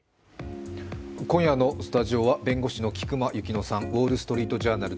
今夜のスタジオは弁護士の菊間千乃さん、「ウォールストリート・ジャーナル」